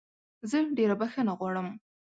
زه ډېره بخښنه غواړم